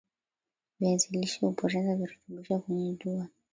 viazi lishe hupoteza virutubishi kwenye jua